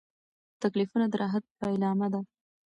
تکلیفونه د راحت پیلامه ده.